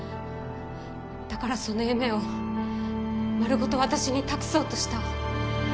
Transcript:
だからその夢をまるごと私に託そうとした。